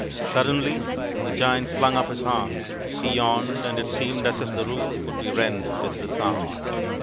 XI Suddenly the Giant flung up his arms ; he yawned, and it seemed as if the roof would be rent with the sound.